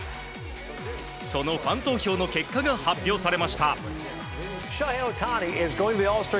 そのファン投票の結果が発表されました。